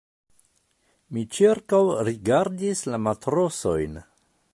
Mi ĉirkaŭrigardis la matrosojn.